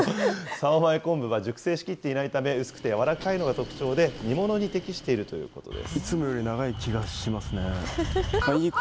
棹前コンブは熟成しきっていないため、薄くて軟らかいのが特徴で、煮物に適しているということです。